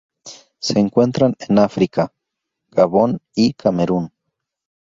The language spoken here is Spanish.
Se encuentran en África: Gabón y Camerún.